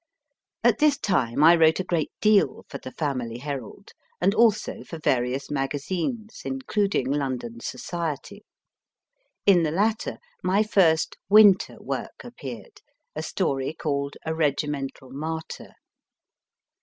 At this time I wrote a great deal for the Family Herald, and also for various magazines, including London Society. In the latter, my first Winter work appeared a story called A Regimental Martyr.